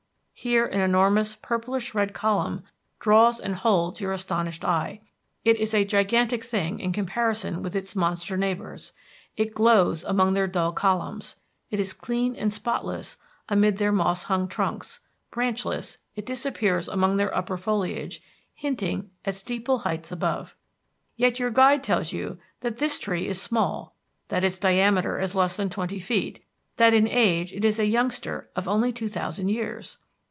Here an enormous purplish red column draws and holds your astonished eye. It is a gigantic thing in comparison with its monster neighbors; it glows among their dull columns; it is clean and spotless amid their mosshung trunks; branchless, it disappears among their upper foliage, hinting at steeple heights above. Yet your guide tells you that this tree is small; that its diameter is less than twenty feet; that in age it is a youngster of only two thousand years!